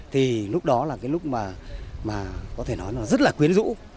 thì lúc đó là lúc mà có thể nói rất là quyến rũ